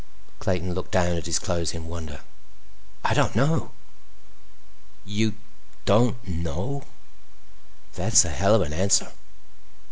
Clayton looked down at his clothes in wonder. "I don't know." "You don't know? That's a hell of an answer."